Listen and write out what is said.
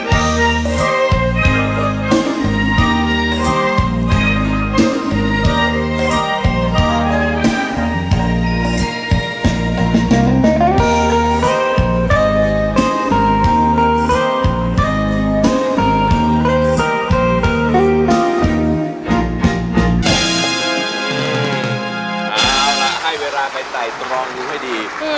อ่าแล้วให้เวลาไปใส่ตรงรองดูให้ดีอืม